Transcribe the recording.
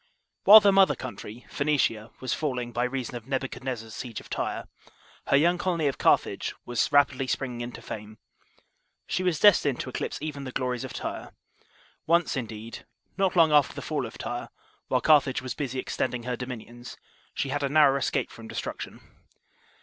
WHILE the mother country, Phoenicia, was falliiVg, by reason of Nebuchadnezzar's siege of Tyre, her young colony* of Carthage, was rapidly springing into fame. She was destined to eclipse even the glories of Tyre.* Once indeed, not long after the THE GROWTH OF CARTHAGE. 75 fall of Tyre, while Carthage was busy extending her dominions, she had a narrow escape from de struction.